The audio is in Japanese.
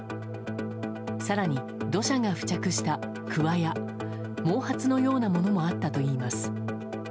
更に、土砂が付着したくわや毛髪のようなものもあったといいます。